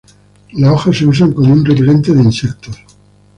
Las hojas se usan como un repelente de insectos.